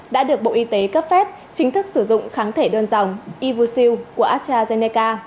đã được bộ y tế cấp phép chính thức sử dụng kháng thể đơn dòng ivusiu của astrazeneca